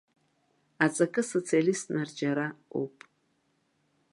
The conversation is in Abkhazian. Аҵакы социалисттәны арҿиара оуп.